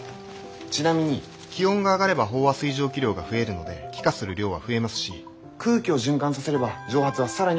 ちなみに気温が上がれば飽和水蒸気量が増えるので気化する量は増えますし空気を循環させれば蒸発は更に早く進みます。